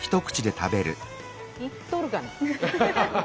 いっとるがな。